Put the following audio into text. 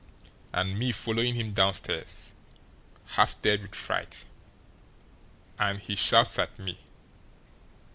And me following him downstairs half dead with fright. And he shouts at me.